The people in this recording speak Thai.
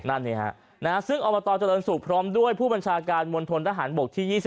นั่นนี่ฮะซึ่งอเจริญสุขพร้อมด้วยผู้บัญชาการมวลธนรหัสบกที่๒๑